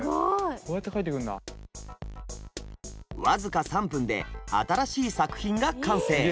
僅か３分で新しい作品が完成。